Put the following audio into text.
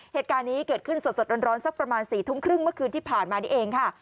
เหตุการณ์นี้เกิดขึ้นสดร้อนสักประมาณ๔ทุ่มครึ่งเมื่อคืนที่ผ่านมานี่เองค่ะ